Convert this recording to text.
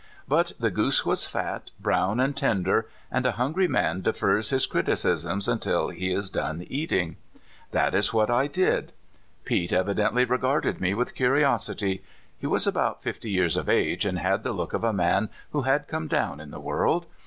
But the goose was fat, brown, and tender; and a hungry man defers his criticisms until he is done eating. That is what I 196 CALIFORNIA SKETCHES. did. Pete evidently regarded me with curiosity. He was about fifty years of age, and had the look of a man who had come down in the world.